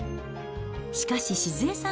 しかし、静恵さん